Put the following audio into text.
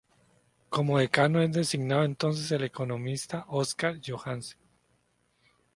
Como decano es designado, entonces, el economista Óscar Johansen.